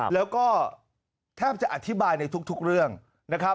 แล้วก็แทบจะอธิบายในทุกเรื่องนะครับ